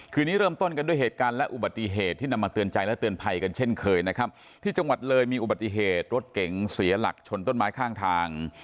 นี้เริ่มต้นกันด้วยเหตุการณ์และอุบัติเหตุที่นำมาเตือนใจและเตือนภัยกันเช่นเคยนะครับที่จังหวัดเลยมีอุบัติเหตุรถเก๋งเสียหลักชนต้นไม้ข้างทาง